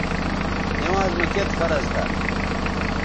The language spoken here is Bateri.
نِوانز مہ کِت فرض تھا